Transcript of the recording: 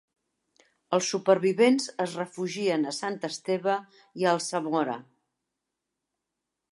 Els supervivents es refugien a Sant Esteve i a Alsamora.